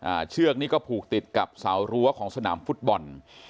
เชือกนี้ก็ผูกติดกับเสารั้วของสนามฟุตบอล